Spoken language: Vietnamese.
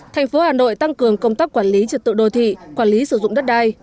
tp hà nội tăng cường công tác quản lý trật tựu đô thị quản lý sử dụng đất đai